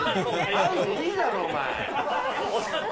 合うでいいだろ、お前。